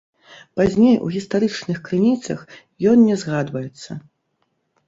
Пазней у гістарычных крыніцах ён не згадваецца.